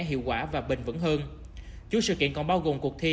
hiệu quả và bình vẩn hơn chủ sự kiện còn bao gồm cuộc thi